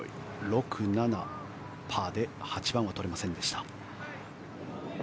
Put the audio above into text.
６、７、パーで８番は取れませんでした。